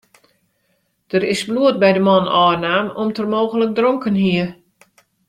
Der is bloed by de man ôfnaam om't er mooglik dronken hie.